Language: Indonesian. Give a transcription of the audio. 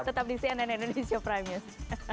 tetap di cnn indonesia prime news